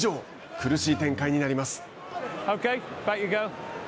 苦しい展開になります。